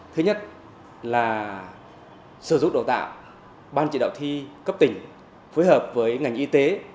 thứ nhất là sở dục đào tạo ban chỉ đạo thi cấp tỉnh phối hợp với ngành y tế